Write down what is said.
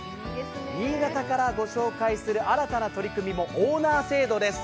新潟からご紹介する新たな取り組みもオーナー制度です。